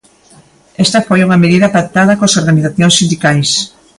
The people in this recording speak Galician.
Esta foi unha medida pactada coas organizacións sindicais.